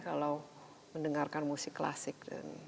kalau mendengarkan musik klasik